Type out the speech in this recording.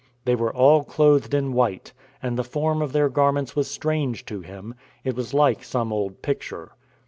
They were all clothed in white, and the form of their garments was strange to him; it was like some old picture.